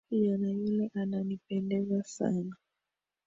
Kijana yule ananipendeza sana.